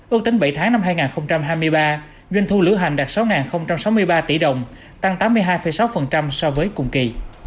ước tính bảy tháng năm hai nghìn hai mươi ba doanh thu lửa hành đạt sáu sáu mươi ba tỷ đồng tăng tám mươi hai sáu so với cùng kỳ